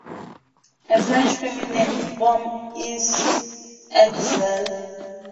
A French feminine form is Axelle.